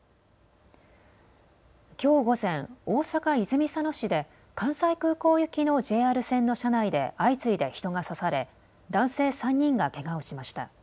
きょう午前、大阪泉佐野市で関西空港行きのＪＲ線の車内で相次いで人が刺され男性３人がけがをしました。